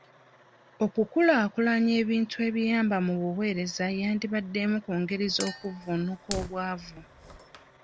Okukulaakulanya ebintu ebiyamba mu buweereza yandibadde emu ku ngeri z'okuvvuunuka obwavu.